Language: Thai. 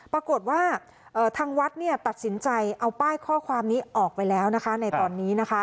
ปรากฏว่าทางวัดตัดสินใจเอาป้ายข้อความนี้ออกไปแล้วนะคะในตอนนี้นะคะ